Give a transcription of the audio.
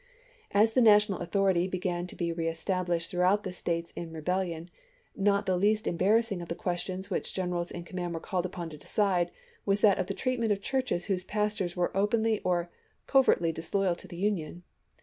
^ As the national authority began to be rees tablished throughout the States in rebellion, not the least embarrassing of the questions which gen erals in command were called upon to decide was that of the treatment of churches whose pastors were openly or covertly disloyal to the Union.